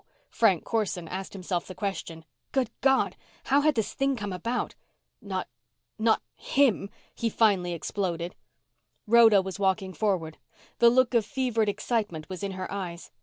_ Frank Corson asked himself the question. Good God! How had this thing come about? "Not not him," he finally exploded. Rhoda was walking forward. The look of fevered excitement was in her eyes.